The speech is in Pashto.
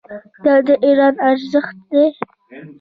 دا د ایران ارزښت دی.